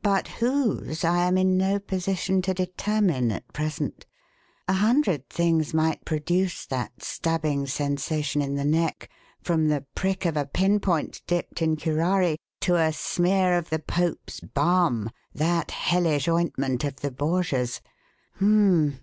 "But whose I am in no position to determine at present. A hundred things might produce that stabbing sensation in the neck, from the prick of a pin point dipped in curare to a smear of the 'Pope's balm,' that hellish ointment of the Borgias. Hum m m!